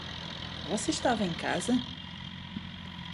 Você estava em casa?